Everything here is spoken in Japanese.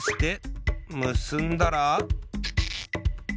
むすんだら。